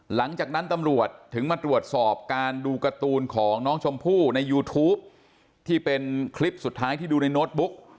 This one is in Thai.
หลังจากนั้นตำรวจถึงมาตรวจสอบการดูการ์ตูนของน้องชมพู่ในยูทูปที่เป็นคลิปสุดท้ายที่ดูในโน้ตบุ๊ก